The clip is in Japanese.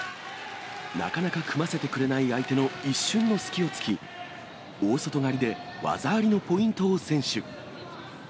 なかなか、組ませてくれない相手の一瞬の隙をつき、大外刈りで技ありのポイントを先取。